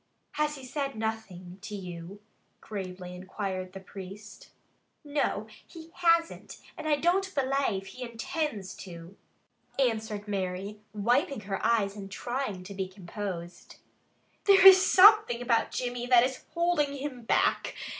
"Has he said nothing to you?" gravely inquired the priest. "No, he hasn't and I don't belave he intinds to," answered Mary, wiping her eyes and trying to be composed. "There is something about Jimmy that is holding him back.